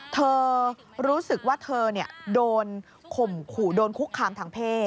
เธอรู้สึกว่าเธอโดนคุกคามทางเพศ